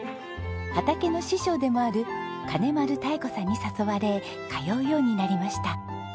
畑の師匠でもある金丸たえ子さんに誘われ通うようになりました。